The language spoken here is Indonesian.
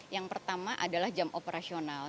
yang pertama adalah jam operasional